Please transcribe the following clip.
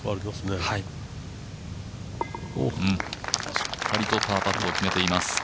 しっかりとパーパットを決めています。